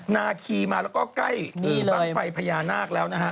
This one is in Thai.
นาคีมาแล้วก็ใกล้บ้างไฟพญานาคแล้วนะฮะ